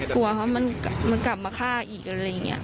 กลัวเขามันกลับมาฆ่าอีกอะไรอย่างนี้